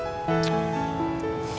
tidak tidak mau